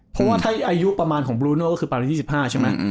เพราะว่าถ้าอายุประมาณของบลูโน่ก็คือประมาณ๒๕ใช่ไหม